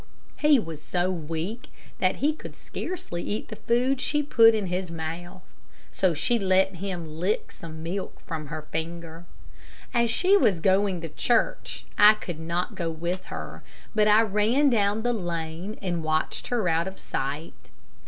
He was so weak that he could scarcely eat the food that she put in his mouth, so she let him lick some milk from her finger. As she was going to church, I could not go with her, but I ran down the lane and watched her out of sight.